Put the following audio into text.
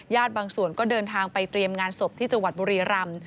บางส่วนก็เดินทางไปเตรียมงานศพที่จังหวัดบุรีรำ